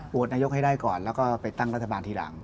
นายกให้ได้ก่อนแล้วก็ไปตั้งรัฐบาลทีหลัง